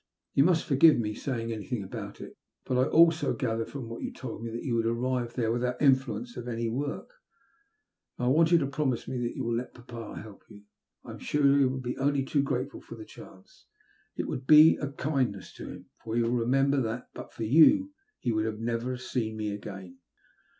Yon must forgive my saying anything about it, but I also gathered from what you told me that you would arrive there without influence of any sort. Now, I want you \o promise me that you will let papa help you. I'm sure he will be only too grateful for the chance. It WE ABE SAVED. 211 would bo a kinduess to him, for he will remember that, but for you, he would never have seen me again."